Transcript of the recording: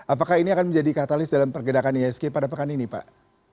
apakah ini akan menjadi katalis dalam pergerakan isg pada pekan ini pak